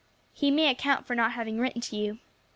He may account for not having written to you.